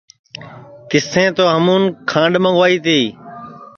تِسیں تو ہمون کھانٚڈؔ منٚگائی تی